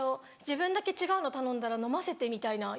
自分だけ違うの頼んだら飲ませてみたいな。